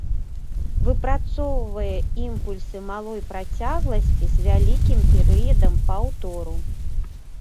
Выпрацоўвае імпульсы малой працягласці з вялікім перыядам паўтору.